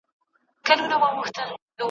په ویاله کي چي اوبه وي یو ځل تللي بیا بهیږي ,